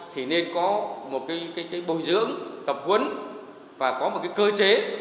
thì nên có một cái bồi dưỡng tập huấn và có một cái cơ chế